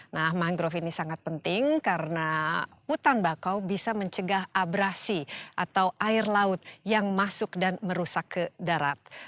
nah mangrove ini sangat penting karena hutan bakau bisa mencegah abrasi atau air laut yang masuk dan merusak ke darat